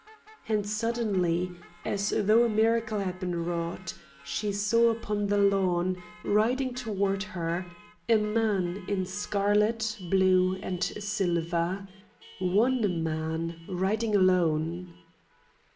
And suddenly, as though a miracle had been wrought, she saw upon the lawn, riding toward her, a man in scarlet, blue, and silver. One man riding alone.